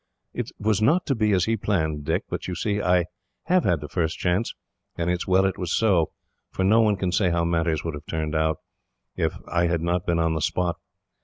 "It was not to be as he planned, Dick, but you see I have had the first chance, and it is well it was so, for no one can say how matters would have turned out, if I had not been on the spot.